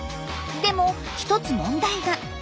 でも一つ問題が。